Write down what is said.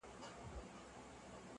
په هر کور کي د وطن به یې منلی -